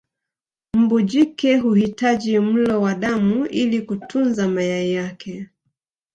Mbu jike huhitaji mlo wa damu ili kutunza mayai yake